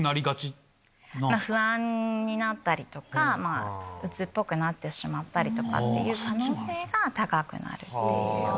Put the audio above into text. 不安になったりとか鬱っぽくなってしまったりとかっていう可能性が高くなる。